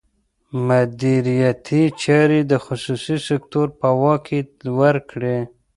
مدیریتي چارې د خصوصي سکتور په واک کې ورکړي.